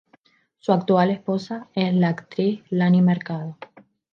Su actual esposa, es la actriz Lani Mercado.